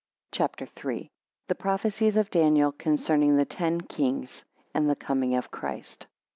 CHAPTER III. The prophecies of Daniel concerning the ten kings, and the coming of Christ.